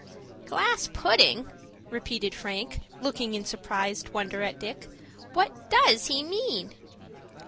"Glass pudding!" repeated Frank, looking in surprised wonder at Dick. "What does he mean?"